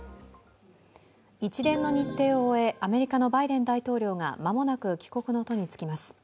一連の日程を終え、アメリカのバイデン大統領が間もなく帰国の途につきます。